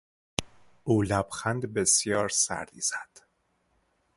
او لبخند بسیار سردی زد.